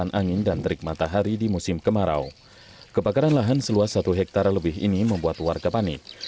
namun beberapa warga menduga api berasal dari anak anak yang bermain kembang api